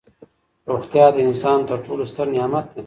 روغتیا د انسان تر ټولو ستر نعمت دی.